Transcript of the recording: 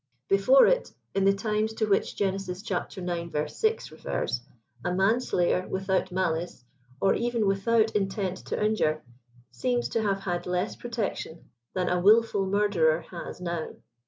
Before it, in the times to which Gen. ix. 6 refers, a manslayer without malice, or even without intent to injure, seems to have had less protection than a wilful murderer has now.